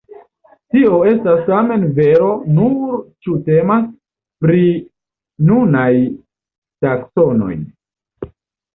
Tio estas tamen vero nur ĉu temas pri nunaj taksonoj.